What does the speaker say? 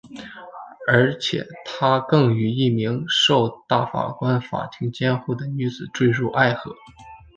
而且他更与一名受大法官法庭监护的女子堕入爱河。